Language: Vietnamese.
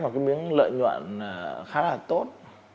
một cái miếng lợi nhuận khá là tốt